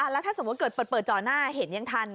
แล้วถ้าสมมุติเกิดเปิดจอหน้าเห็นยังทัน